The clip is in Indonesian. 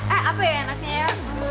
eh apa ya enaknya